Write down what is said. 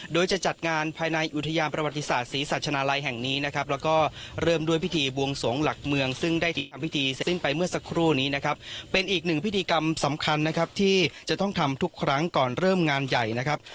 โดยจะจัดงานภายในอุทยาประวัติศาสตร์ศรีสัชนาลัยแห่งนี้นะครับ